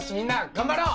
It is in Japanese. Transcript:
頑張ろう！